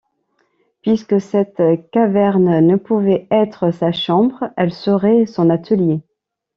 Puisque cette caverne ne pouvait être sa chambre, elle serait son atelier.